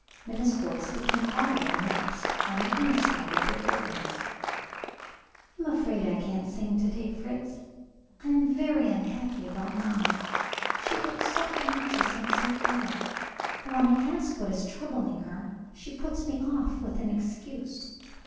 Minna's voice became audible next, on the inner side of the curtains. "I am afraid I can't sing to day, Fritz. I am very unhappy about mamma. She looks so anxious and so ill; and when I ask what is troubling her, she puts me off with an excuse."